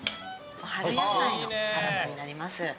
春野菜のサラダになります。